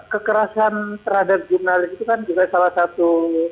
kekerasan terhadap jurnalis itu kan juga salah satu